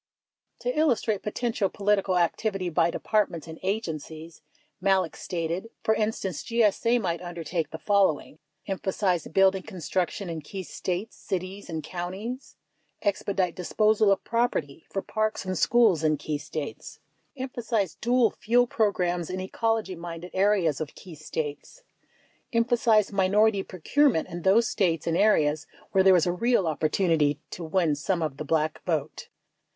To illustrate potential political activity by Departments and Agen cies, Malek stated : For instance, GSA might undertake the following :— Emphasize building construction in key States, cities, and counties. — Expedite disposal of property for parks and schools in key States. — Emphasize dual fuel programs in ecology minded areas of key States. —Emphasize minority procurement in those States and areas where there is a real opportunity to win some of the Black vote.